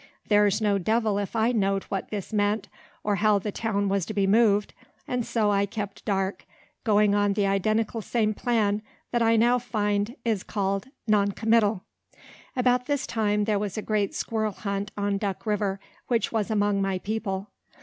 There's no devil if I knowed what this meant, or how the town was to be moved; and so I kept dark, going on the identical same plan that I now find is called "non committal." About this time there was a great squirrel hunt on Duck river, which was among my people.